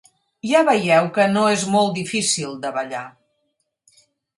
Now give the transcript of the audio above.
Ja veieu que no és molt difícil de ballar.